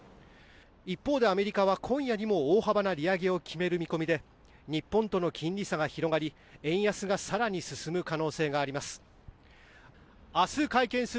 一方でアメリカは今夜にも大幅な利上げを決める見込みで日本との金利差が広がり円安が更に進む可能性があります。